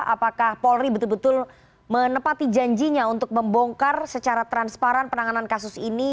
apakah polri betul betul menepati janjinya untuk membongkar secara transparan penanganan kasus ini